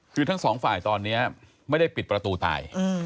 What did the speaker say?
คือทั้งสองฝ่ายตอนนี้ไม่ได้ปิดประตูตาย